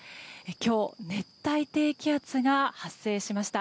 今日、熱帯低気圧が発生しました。